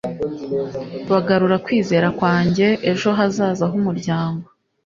bagarura kwizera kwanjye ejo hazaza h'umuryango